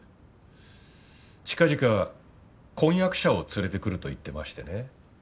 近々婚約者を連れてくると言ってましてね。